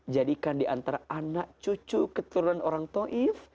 jadikan di antara anak cucu keturunan orang ta'if